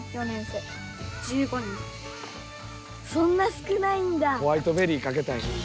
そんな少ないんだ。